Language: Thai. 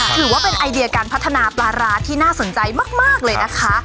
ถือว่าเป็นไอเดียการพัฒนาปลาร้าที่น่าสนใจมากเลยนะคะ